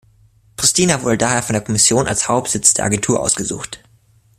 Pristina wurde daher von der Kommission als Hauptsitz der Agentur ausgesucht.